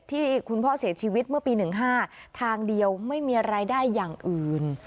ที่คุณพ่อเสียชีวิตเมื่อปี๑๕ทางเดียวไม่มีรายได้อย่างอื่น